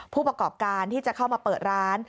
ผู้ประกอบการที่จะเข้ามาเปิดร้าน